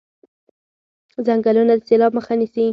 ځنګلونه د سیلاب مخه نیسي.